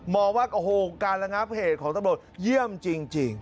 มองว่าการละงะเผตของตำรวจเยี่ยมจริง